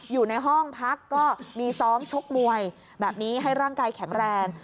อยู่ในห้องพักก็มีซ้อมชกมวยแบบนี้ให้ร่างกายแข็งแรง